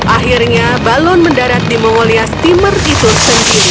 akhirnya balon mendarat di memulai steamer itu sendiri